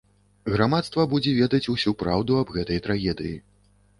Грамадства будзе ведаць усю праўду аб гэтай трагедыі.